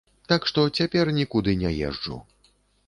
Так што, цяпер нікуды не езджу.